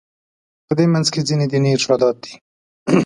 په دې منځ کې ځینې دیني ارشادات دي.